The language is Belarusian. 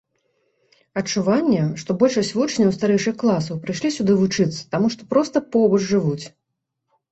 Адчуванне, што большасць вучняў старэйшых класаў прыйшлі сюды вучыцца, таму што проста побач жывуць.